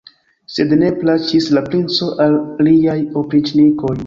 Sed ne plaĉis la princo al liaj opriĉnikoj.